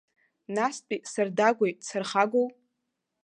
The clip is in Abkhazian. Настәи сардагәеит, сархагоу.